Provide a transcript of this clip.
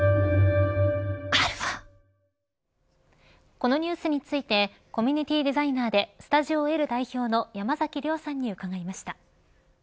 このニュースについてコミュニティーデザイナーでｓｔｕｄｉｏ‐Ｌ代表の山崎亮さんに伺いました。